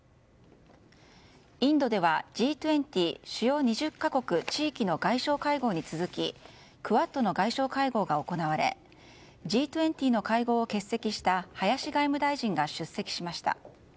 インドではＧ２０・主要２０か国、地域の外相会合に続きクアッドの外相会合が行われＧ２０の会合を欠席した林外務大臣が出席しました。